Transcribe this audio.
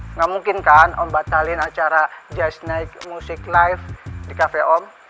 engga mungkin kan om batalin acara jazz night music live di cafe om